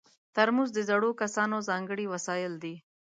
ترموز د زړو کسانو ځانګړی وسایل دي.